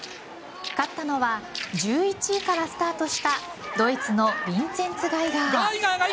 勝ったのは１１位からスタートしたドイツのビンチェンツ・ガイガー。